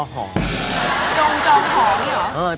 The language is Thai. จงจอหอนี่หรอ